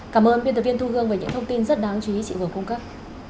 cảm ơn biên tập viên thu hương về những thông tin rất đáng chú ý chị vừa cung cấp